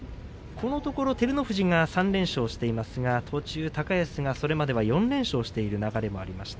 このところ照ノ富士が３連勝していますが途中、高安がそれまでは４連勝している流れがありました。